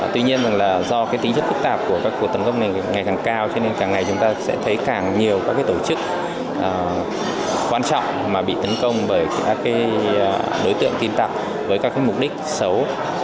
tuy nhiên là do tính chất phức tạp của các cuộc tấn công này ngày càng cao cho nên càng ngày chúng ta sẽ thấy càng nhiều các tổ chức quan trọng mà bị tấn công bởi các đối tượng tin tặc với các mục đích xấu